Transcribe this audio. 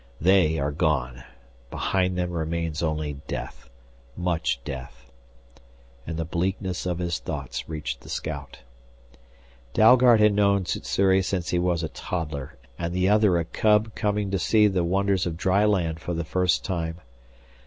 "They are gone. Behind them remains only death much death " And the bleakness of his thoughts reached the scout. Dalgard had known Sssuri since he was a toddler and the other a cub coming to see the wonders of dry land for the first time.